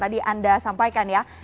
tadi anda sampaikan ya